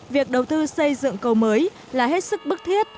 việc đầu tư xây dựng cầu mới là hết sức bức thiết